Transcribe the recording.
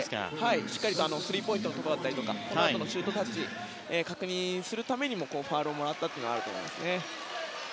スリーポイントだったりその他のシュートタッチを確認するためにもファウルをもらったというのがあると思います。